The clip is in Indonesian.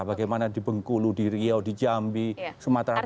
bagaimana di bengkulu di riau di jambi sumatera barat